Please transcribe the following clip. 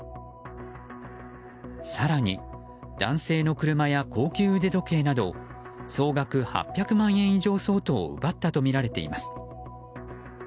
更に、男性の車や高級腕時計など総額８００万円以上相当を奪ったとみられています。